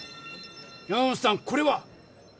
山本さんこれは？